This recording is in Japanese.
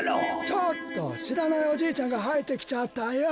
ちょっとしらないおじいちゃんがはいってきちゃったよ。